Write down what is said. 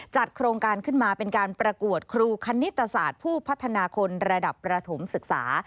โครงการขึ้นมาเป็นการประกวดครูคณิตศาสตร์ผู้พัฒนาคนระดับประถมศึกษา